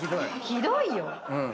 ひどいよ！